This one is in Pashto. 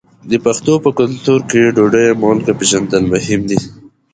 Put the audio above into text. د پښتنو په کلتور کې د ډوډۍ مالګه پیژندل مهم دي.